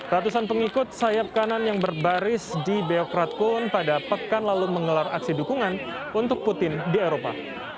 ratusan pengikut sayap kanan yang berbaris di beokrat kuon pada pekan lalu menggelar aksi dukungan untuk putin di eropa